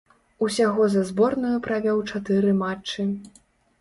Усяго за зборную правёў чатыры матчы.